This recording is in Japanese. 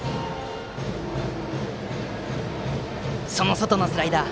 外のスライダー。